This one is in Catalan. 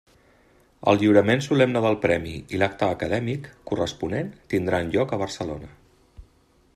El lliurament solemne del Premi i l'acte acadèmic corresponent tindran lloc a Barcelona.